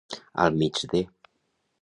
Al mig de.